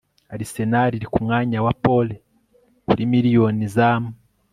Arsenal iri kumwanya wa pole kuri miliyoni zama